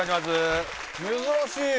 珍しい。